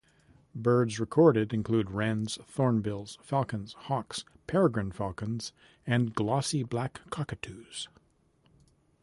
Birds recorded include wrens, thornbills, falcons, hawks, peregrine falcons and glossy black cockatoos.